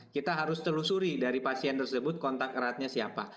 kita harus telusuri dari pasien tersebut kontak eratnya siapa